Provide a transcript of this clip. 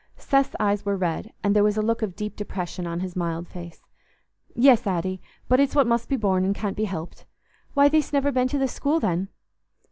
Seth's eyes were red, and there was a look of deep depression on his mild face. "Yes, Addy, but it's what must be borne, and can't be helped. Why, thee'st never been to the school, then?"